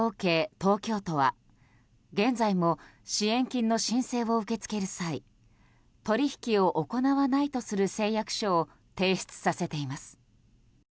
東京都は現在も支援金の申請を受け付ける際取引を行わないとする誓約書を提出させています。